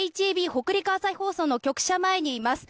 北陸朝日放送の局舎前にいます。